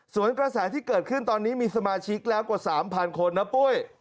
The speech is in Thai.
ส่วนกระแสที่เกิดขึ้นตอนนี้มีสมาชิกแล้วกว่า๓๐๐คนนะปุ้ย